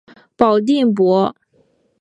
保定伯。